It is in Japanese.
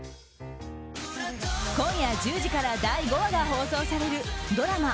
今夜１０時から第５話が放送されるドラマ